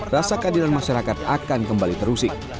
rasa keadilan masyarakat akan kembali terusik